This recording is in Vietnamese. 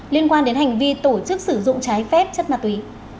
liên quan đến hành vi tổ chức sử dụng trái phép chất ma túy